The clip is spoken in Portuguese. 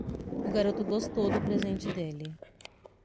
O garoto gostou do presente dele.